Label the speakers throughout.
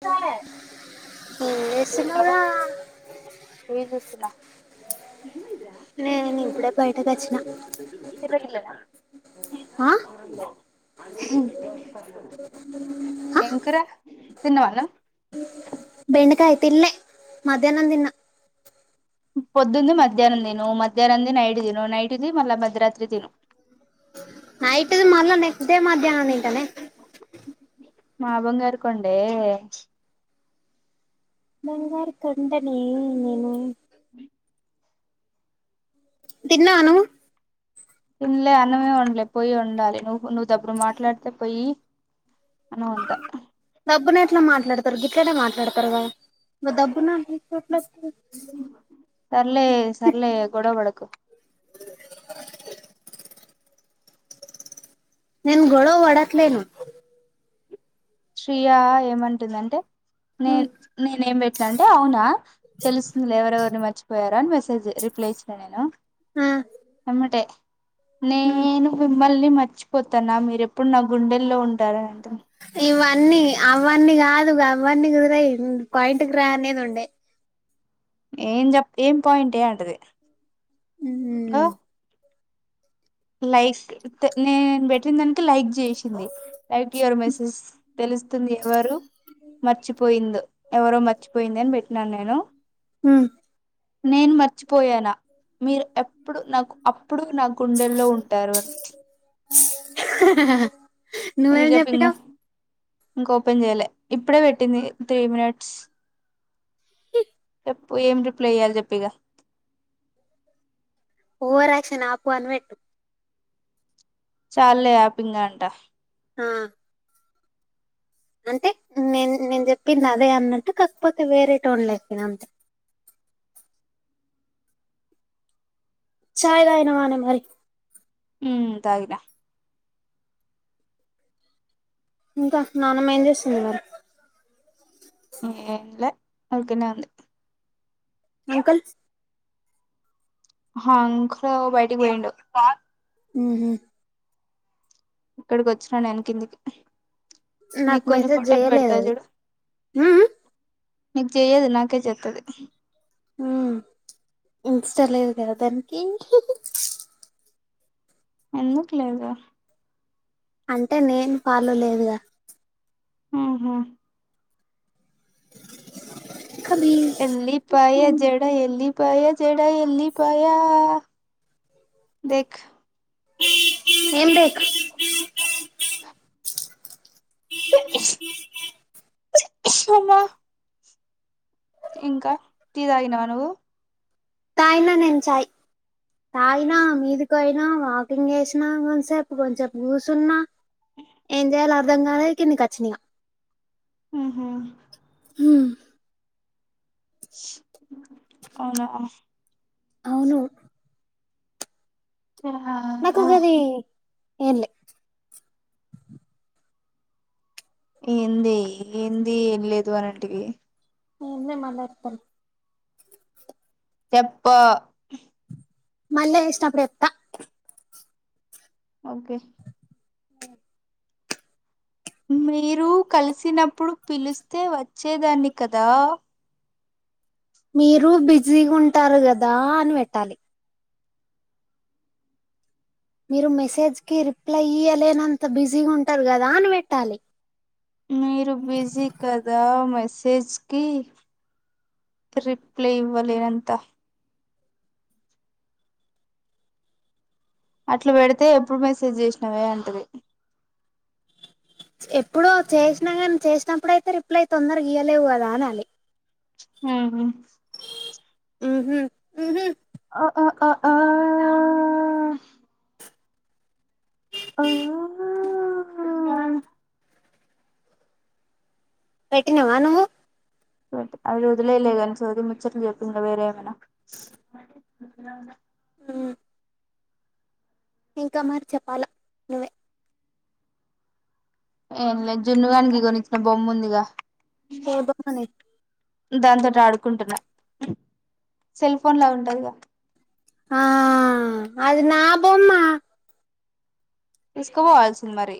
Speaker 1: స
Speaker 2: ఏం
Speaker 1: [inaudible] హలో
Speaker 2: చేస్తున్నావురా
Speaker 1: టీవీ జూస్తున్నా
Speaker 2: నేను ఇప్పుడే బయటకి వచ్చినా ఆ?
Speaker 1: ఏం కూరా తిన్నవా రా
Speaker 2: బెండకాయ తిన్లే మధ్యాహ్నం తిన్నా
Speaker 1: పొద్దుంది మధ్యాహ్నం తను మధ్యాహ్నంది నైట్ దిను నైట్ది మళ్ళా మధ్యరాత్రి తిను
Speaker 2: నైట్ది మళ్ళ నెక్స్ట్ డే మధ్యాహ్నం తింటనే
Speaker 1: మా బంగారు కొండె
Speaker 2: బంగారు కొండనే
Speaker 1: బ
Speaker 2: తిన్నావా నువ్వు
Speaker 1: తినలే అన్నమే ఉండలే పోయి ఉండాలి నువ్వు నువ్వు దబ్బడు మాట్లాడితే పోయి [unintelligible]
Speaker 2: డబ్బున ఎట్ల మాట్లాడతారు గిట్లనే మాట్లాడతారు గా [unintelligible]
Speaker 1: సర్లే సర్లే గొడవపడకు
Speaker 2: నేను గొడవ [unintelligible]
Speaker 1: శ్రియ ఏమంటుందంటే నే
Speaker 2: ఉమ్,
Speaker 1: నేనే ఏం పెట్నంటే అవునా తెలుస్తుంది లే ఎవరెవరిని మర్చపోయార అని మెసేజ్ రిప్లై ఇచ్చినాను నేను
Speaker 2: ఆ
Speaker 1: యమ్మటే
Speaker 2: ఉమ్.
Speaker 1: నేను మిమ్మల్ని మర్చిపోతాన మీరు ఎప్పుడు నా గుండెల్లో ఉంటారంట
Speaker 2: ఇవన్నీ అవన్నీ కాదు అవన్నీ [unintelligible] పాయింట్కి రా అనేది ఉండే
Speaker 1: ఏం ఏం పాయింట్ ఏ అంటది
Speaker 2: ఉమ్.
Speaker 1: లైక్ నేను పెట్టిన దానికి లైక్ చేయి లైట్ [unintelligible] మెసేజ్ తెలుస్తుంది ఎవరు మర్చిపోయిందొ ఎవరో మర్చిపోయింది అని పెట్టినాను నేను
Speaker 2: ఉ
Speaker 1: నేను మర్చిపోయాన మీరు ఎప్పుడు నాకు అప్పుడు న లో ఉంటరు
Speaker 2: నువ్వేం చెప్పినావు
Speaker 1: [unintelligible] ఓపన్ చేయాల ఇప్పుడే పెటింది త్రీ మినట్స్
Speaker 2: ఇ
Speaker 1: చెప్పు ఏం రిప్లై ఇయ్యాలి చెప్పు ఇగ
Speaker 2: ఓవర్ ఆక్షన్ ఆపు అని పెట్టు
Speaker 1: చాలే ఆపు ఇంగ అంట
Speaker 2: ఆ అంటే నేను నేను చెప్పింది అదే అన్నట్టు కాకపోతే వేరే టోన్ [unintelligible] చాయ్ తగినవనే మరి
Speaker 1: ఉ తాగుత
Speaker 2: ఇంక నాన్నమ్మా ఏం చేస్తుంది ఇంగ
Speaker 1: [unintelligible] ఉంది
Speaker 2: అంకల్
Speaker 1: [unintelligible] బయటికి పోయిండు
Speaker 2: ఉ
Speaker 1: ఇక్కడికి వచ్చిన నేను కిందికి
Speaker 2: నాకు
Speaker 1: నీకు కొన్ని
Speaker 2: మెసేజ్
Speaker 1: ఫోటోలు
Speaker 2: చేయలేదు
Speaker 1: పెడత
Speaker 2: అది
Speaker 1: చూడు
Speaker 2: మ్మ్.
Speaker 1: నీకు చెయ్యదు నాకే చెత్తది
Speaker 2: ఆ ఇన్స్ట లేదు కదా దానికి
Speaker 1: ఎందుకులేదు
Speaker 2: అంటే నేను పాలో లేదుగ
Speaker 1: ఉహు
Speaker 2: [unintelligible]
Speaker 1: ఎల్లి పయా
Speaker 2: మ్మ్.
Speaker 1: జడా ఎల్లి పయా జడా ఎల్లి పయా దేక్
Speaker 2: ఏం [unintelligible]
Speaker 1: సినిమా ఇంక టీ తాగినవ నువ్వు
Speaker 2: తగిన నేను చాయ్ తాగినా మీదికోయినా వాకింగ్ చేసినా కొంతసేపు కొంచసేపు కూర్చున్నా ఏం చేయాలో అర్ధం కాలే కింది ఖచ్చినగా
Speaker 1: ఆహ
Speaker 2: ఆ
Speaker 1: అవునా
Speaker 2: అవును
Speaker 1: ఆ
Speaker 2: నాకుగది ఏంలే
Speaker 1: ఏంది ఏంది ఏం లేదు అనంటివి
Speaker 2: ఏంలే మల్ల చెప్తా
Speaker 1: చెప్ప
Speaker 2: మల్ల చేసినపుడు చెప్తా
Speaker 1: ఓకే
Speaker 2: అ
Speaker 1: మీరు కలిసినప్పుడు పిలిస్తే వచ్చేదాన్ని కదా
Speaker 2: మీరు బిజీ ఉంటారు కదా అని పెట్టాలి మీరు మెసేజ్ కి రిప్లై ఇయలేనంత బిజీగా ఉంటారు కదా అని పెట్టాలి
Speaker 1: మీరు బిజీ కదా మెసేజ్ కి రిప్లే ఇవ్వాలేనంత అట్లా పెడితే ఎప్పుడు మెసేజ్ చేసినవే అంటది
Speaker 2: ఎప్పుడు చేసినా కానీ చేసినప్పుడుయితే రిప్లై తొందరగా గీయలేవు కదా అనాలి
Speaker 1: ఆహా
Speaker 2: ఉహు ఉహు
Speaker 1: ఆ ఆ
Speaker 2: పెట్టినావా నువ్వు
Speaker 1: అ వదిలే లే గని చది ముచ్చట్లు చెప్పు ఇంగ వేరె ఏమైనా
Speaker 2: ఆ ఇంకా మరి చెప్పాలా నువ్వే
Speaker 1: ఏం లేదు జున్నగానికి కొని ఇచ్చిన బొమ్మ ఉంది గా
Speaker 2: ఏ బొమ్మనే
Speaker 1: దాంతోటి ఆడుకుంటున్నా సెల్ ఫోన్ లా ఉంటదిగా
Speaker 2: ఆ అది నా బొమ్మ
Speaker 1: తీసుకుపోవాల్సింది మరి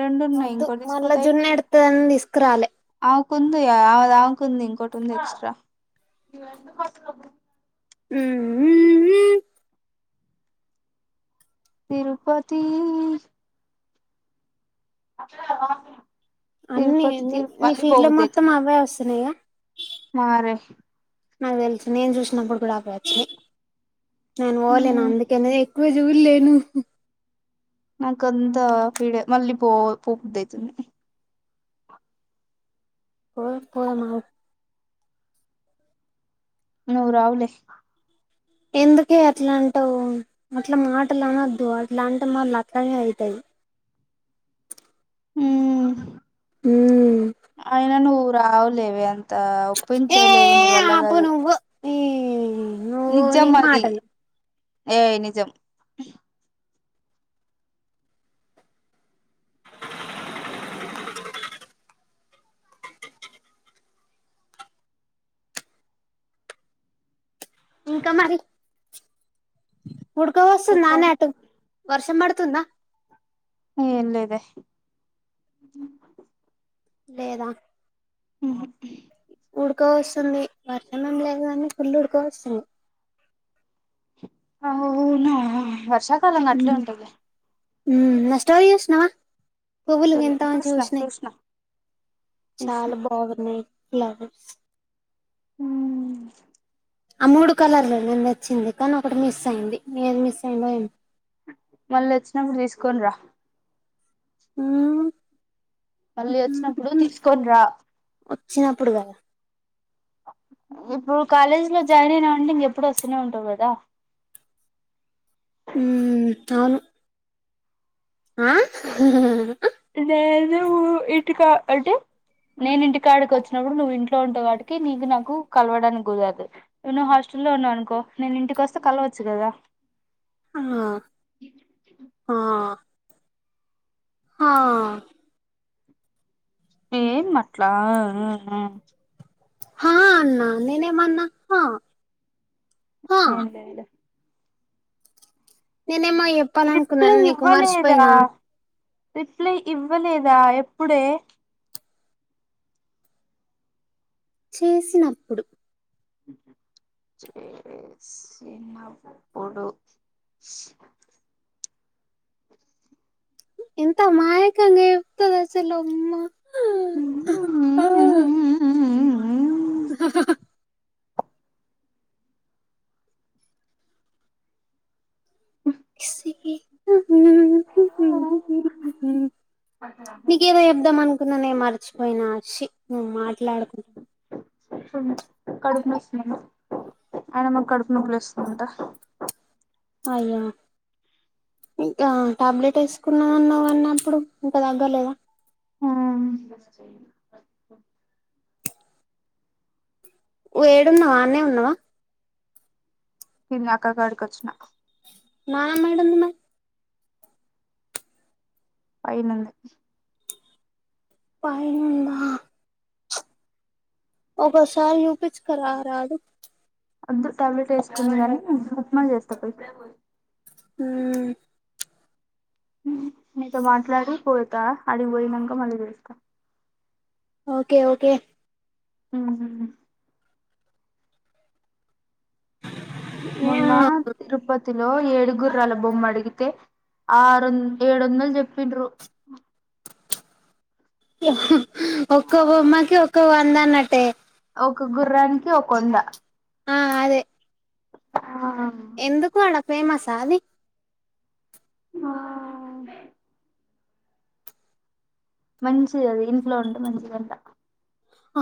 Speaker 1: రెండున్నాయి
Speaker 2: వద్దు
Speaker 1: ఇంకోటి
Speaker 2: మళ్ళా
Speaker 1: తీసుకపోతే
Speaker 2: జున్ను
Speaker 1: అయిపోవు
Speaker 2: ఎడుతుందని తీసుకురాలే
Speaker 1: అమేకుంది గా ఆమెది అమేకుంది ఇంకోటి ఉంది ఎక్స్ట్రా
Speaker 2: మ్మ్
Speaker 1: తిరుపతి తిరుపతి తిరు మళ్లి పోబుద్దైతుంది
Speaker 2: వస్తునయి గా
Speaker 1: నా రే
Speaker 2: నాకు తెలుసు నేను చూసినప్పుడు కూడా అవ్వే వచ్చినాయి నేను పోలేను అందు కనేది ఎక్కువ జూలేను
Speaker 1: నాకంతా పీడ మళ్ళీ పో పోబుద్ధి అయితుంది
Speaker 2: పోదాం పోదమగు
Speaker 1: నూరువులే
Speaker 2: ఎందుకే అట్లా అంటావు అట్లా మాటలు అనొద్దు అట్లా అంటే మాళ్ళ అట్లనే అవుతాయి
Speaker 1: మ్మ్
Speaker 2: ఉమ్
Speaker 1: అయినా నువ్వు రావలేవ అ
Speaker 2: ఏ
Speaker 1: ఒప్పించే లేవు నీ వల్లగా
Speaker 2: ఆపు నువ్వు ఈ నువ్వు నీ
Speaker 1: నిజం అది
Speaker 2: మాటలు
Speaker 1: ఏ నిజం
Speaker 2: ఇంకా మరి హుడుకో వస్తుంది నానే
Speaker 1: చెప్పాలి
Speaker 2: అటు వర్షం పడుతుందా
Speaker 1: న ఇల్ ఇద అ
Speaker 2: లేదా
Speaker 1: ఉహ
Speaker 2: ఉడుకో వస్తుంది వర్షమం లేదుని ఫుల్ ఉడుకో వస్తుంది
Speaker 1: అనా వర్షాకాలం అట్లే ఉంటంది
Speaker 2: నష్టమే చేసినవా పువ్వులు
Speaker 1: చూడలే
Speaker 2: వింతా అని
Speaker 1: చూసిన
Speaker 2: చూసినాయి
Speaker 1: చూసిన చూసిన
Speaker 2: చాలా బా ఆర్గనైట్ ఫ్లావర్స్ ఆ మూడు కలర్లు నేను వచ్చింది కానీ ఒకటి మిస్ అయింది నది మిస్ అయిందో ఏం
Speaker 1: మళ్ళీ వచ్చినప్పుడు తీసుకోని రా
Speaker 2: మ్మ్
Speaker 1: మళ్ళీ వచ్చినప్పుడు తీసుకోని రా
Speaker 2: వచ్చినప్పుడు కదా
Speaker 1: ఇప్పుడు కాలేజ్ లో జాయిన్ అయినా ఉంటే ఇంకెప్పుడు వస్తూనే ఉంటవు కదా
Speaker 2: హ్ అవును ఆ
Speaker 1: నేదు ఇటుకా అంటే నేను ఇంటికాడికి వచ్చినప్పుడు నువ్వు ఇంట్లో ఉంటే వాటికి నీకు నాకు కలవడానికి కుదరదు నువ్ హాస్టల్లో ఉన్నావు అనుకో నేను ఇంటికి వస్తే కలవచ్చు కదా
Speaker 2: ఆ మ్మ్
Speaker 1: ఏన్ మాట్లా
Speaker 2: హా అన్నా నేనే మాన్నా
Speaker 1: ఏ లే లేడి
Speaker 2: నేనేమ
Speaker 1: రిప్లై
Speaker 2: చెప్పాలనుకున్నాను నీకు
Speaker 1: ఇవ్వలేదా
Speaker 2: మర్చిపోయినా
Speaker 1: రిప్లై ఇవ్వలేదా ఎప్పుడే
Speaker 2: చేసినప్పుడు
Speaker 1: చేసినప్పుడు
Speaker 2: ఎంత మాయకంగా ఇప్తదసలు ఉమ్మా
Speaker 1: హ్మ్మ్
Speaker 2: ఆ నీకేదో చెద్దాం అనుకున్నా నే మర్చిపోయినా హసిి నువ్వు మాట్లాడుకుంటా
Speaker 1: చూ కడుపు న వస్తున్నా అయన మాకు కడుపు నొప్పులు ఇస్తుమంట
Speaker 2: అయ్యో ఇంకా టాబ్లెట్ వేసుకున్నా ఉన్నావ అన్నప్పుడు ఇంకా తగ్గలేదా ఏడ ఉన్నావ్ అనే ఉన్నావా
Speaker 1: నీను అక్క కాడికిచ్చిన
Speaker 2: ఆ మేడంమ్ నా
Speaker 1: పైనుంది
Speaker 2: పైన్నా ఉందా ఒక సారీ యూపిచ్కా రాదు
Speaker 1: టాబ్లెట్ వేసుకుని కాని ఉప్మా చేస్తా పోయి
Speaker 2: ఉ
Speaker 1: నీతో మాట్లాడి పోతా అడిగికిపోయినాక మళ్ళీ చూస్తా
Speaker 2: ఓకే ఓకే
Speaker 1: ఉ ఉందా తిరుపతిలో ఏడుగుర్రాల బొమ్మ అడిగితే ఆరు ఏడు వందలు చెప్పండ్రు
Speaker 2: ఒక్కో బొమ్మకి ఒక్కో వంద అన్నట్టే
Speaker 1: ఒక గుర్రానికి ఒక్కోవద
Speaker 2: ఆ అదే
Speaker 1: ఆ
Speaker 2: ఎందుకు అడ ఫేమసా అది
Speaker 1: ఆ మంచి అది ఇంట్లో ఉంటే మంచిదంట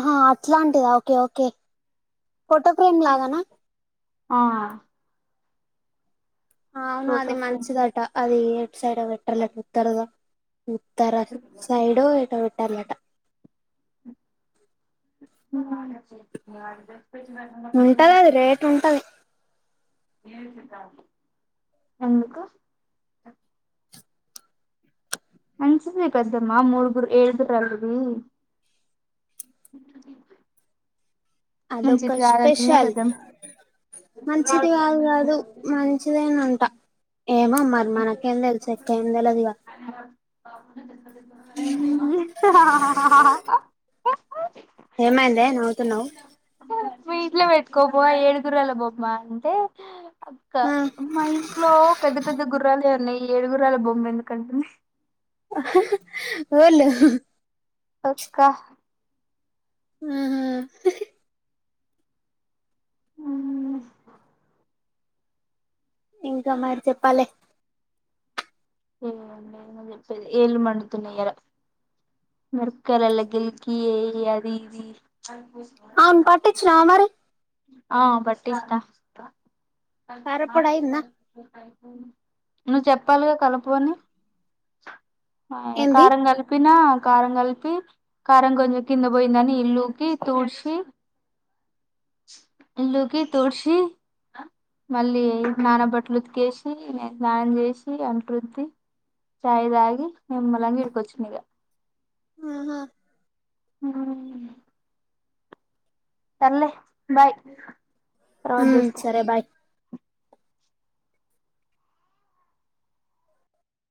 Speaker 2: హా అట్లాంటిదా ఓకే ఓకే ఫోటో ఫ్రేమ్ లాగానా
Speaker 1: ఆ
Speaker 2: అవునా
Speaker 1: ఫోటో
Speaker 2: అది
Speaker 1: ఫ్రేమ్
Speaker 2: మంచిదట అది ఎ సైడ్ పెట్టాలట ఉత్తర ఉత్తర సైడ్ ఏటో పెట్టాలంట
Speaker 1: ఉ
Speaker 2: ఉంటది అది రేట్ ఉంటది
Speaker 1: ఏడ్చిందామే ఎందుకు మంచిదే పెద్దమ్మ మూడు ఏడు గుర్రాలది
Speaker 2: చ్ అదోక
Speaker 1: మంచిది కాదంటుంది గా
Speaker 2: స్పెషల్
Speaker 1: పెద్దమ్మ
Speaker 2: మంచిది కాదు కాదు మంచిదేనంట ఏమో మరి మనకేం తెలుసు మనకేం తెలియదు కదా ఇంకా
Speaker 1: ఉ ఆ ఆ ఆ చెప్పు
Speaker 2: ఏమైందే నవ్వుతున్నావ్
Speaker 1: మీ ఇంట్లో పెట్టుకో పోవే ఏడుగురాల బొమ్మ అంటే అక్క
Speaker 2: ఆ
Speaker 1: అమ్మా ఇట్లో పెద్ద పెద్ద గుర్రాలే ఉన్నాయి ఏడుగుర్రాల బొమ్మ ఎందుకంటంది
Speaker 2: ఎవలు
Speaker 1: అక్క
Speaker 2: ఆ హా ఇంకా మరి చెప్పాలి
Speaker 1: ఏండి చెప్పేది ఏళ్ళు మండుతున్నాయి ఈయాల మిరపకాయలల్ల గిల్కి అది ఇది
Speaker 2: ఆమెను పట్టిచ్చునా మరి
Speaker 1: ఆ పట్టించిన
Speaker 2: కారప్పొడి అయిందా
Speaker 1: నువ్వు చెప్పాలిగా కలుపు అని ఆ
Speaker 2: ఏంది
Speaker 1: కారం కల్ ప్పినా కారం కలిపి కారం కొంచెం కింద పోయిందని ఇల్లుకి తుడ్చి ఇల్లుకి తుడ్సి మళ్ళీ నాన బట్టలు ఉతికేసి స్నానం చేసి అంట్టురుద్ది చాయతగి నిమ్మలంగా ఇడ్కొచ్చిన ఇగ
Speaker 2: ఆహా
Speaker 1: మ్మ్ సర్లే బాయ్ తర్వాత
Speaker 2: ఉమ్
Speaker 1: చెస్
Speaker 2: సరే బాయ్